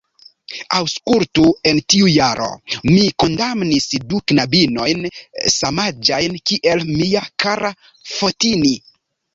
Aŭskultu: en tiu jaro, mi kondamnis du knabinojn, samaĝajn kiel mia kara Fotini.